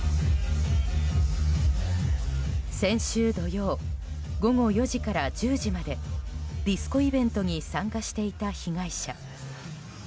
先週土曜午後４時から１０時までディスコイベントに参加していた被害者。